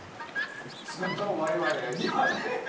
少なくとも我々にはね。